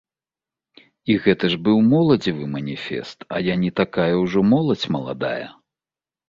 І гэта ж быў моладзевы маніфест, а я не такая ўжо моладзь маладая.